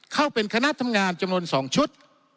เข้าเป็นคณะทำงานจำนวน๒ชุด